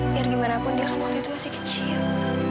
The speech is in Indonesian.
biar gimana pun dia kan waktu itu masih kecil